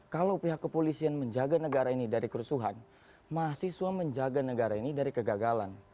kalau pihak kepolisian menjaga negara ini dari kerusuhan mahasiswa menjaga negara ini dari kegagalan